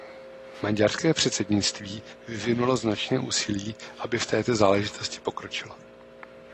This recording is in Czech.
Maďarské předsednictví vyvinulo značné úsilí, aby v této záležitosti pokročilo.